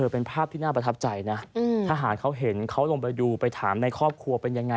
เป็นภาพที่น่าประทับใจนะทหารเขาเห็นเขาลงไปดูไปถามในครอบครัวเป็นยังไง